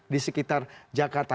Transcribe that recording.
di sekitar jakarta